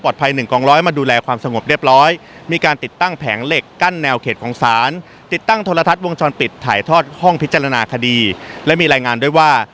ได้ออกมาข้าดีและมีรายงานด้วยว่า